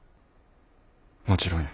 もちろんや。